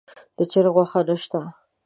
د چرګ غوښه نه شته.